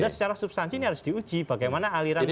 secara substansi ini harus diuji bagaimana aliran uang itu